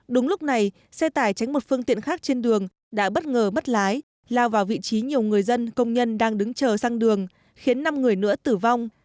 đúng lúc này xe tải tránh một phương tiện khác trên đường đã bất ngờ bất lái lao vào vị trí nhiều người dân công nhân đang đứng chờ sang đường khiến năm người nữa tử vong